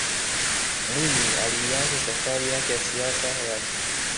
mwinyi aliianza safari yake ya siasa rasmi